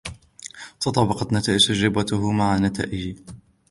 تطابقت نتائج تجربته مع نتائجي.